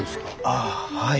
あっはい。